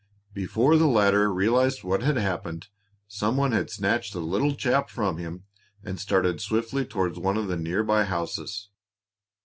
Before the latter realized what had happened, some one had snatched the little chap from him and started swiftly toward one of the near by houses.